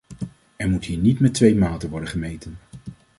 Er moet hier niet met twee maten worden gemeten.